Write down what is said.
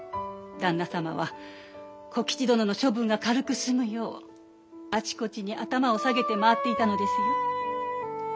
旦那様は小吉殿の処分が軽く済むようあちこちに頭を下げて回っていたのですよ。